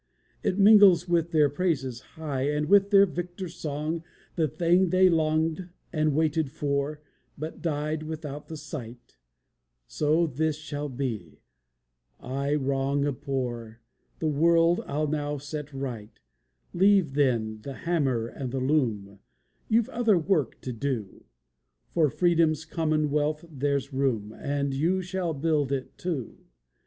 It mingles with their praises high, And with their victor song. The thing they longed and waited for, But died without the sight; So, this shall be! I wrong abhor, The world I'll now set right. Leave, then, the hammer and the loom, You've other work to do; For Freedom's commonwealth there's room, And you shall build it too.